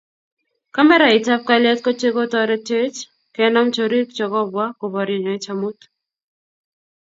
kameraitab kalyet ko che kotoritech kenam chorik che kobwa koborienech amut